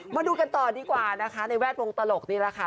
มาดูกันต่อดีกว่านะคะในแวดวงตลกนี่แหละค่ะ